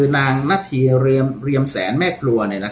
นางนาธีเรียมแสนแม่ครัว